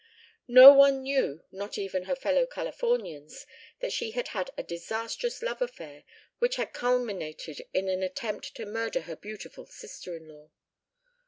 No one knew, not even her fellow Californians, that she had had a disastrous love affair which had culminated in an attempt to murder her beautiful sister in law.